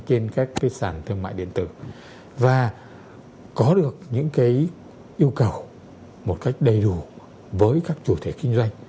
trên các sản thương mại điện tử và có được những yêu cầu một cách đầy đủ với các chủ thể kinh doanh